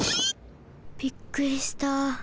びっくりした。